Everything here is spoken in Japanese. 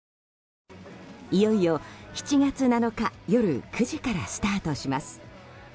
いよいよ、７月７日夜９時からスタートします。